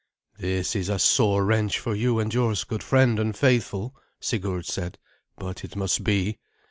"This is a sore wrench for you and yours, good friend and faithful," Sigurd said, "but it must be.